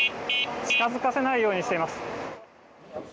近づかせないようにしています。